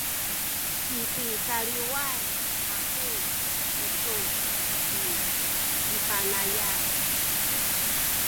sipicaliway aku kisu i ci Panayan